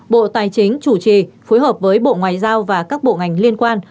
bộ tài chính chủ trì phối hợp với bộ ngoại giao và các bộ ngành liên quan